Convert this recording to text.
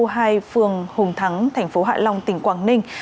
phường hùng thắng tp hạ long tỉnh quảng ninh